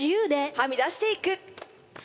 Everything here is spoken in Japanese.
はみ出していく。